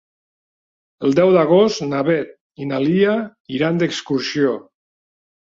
El deu d'agost na Beth i na Lia iran d'excursió.